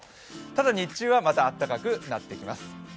ただ、日中はまた暖かくなってきます。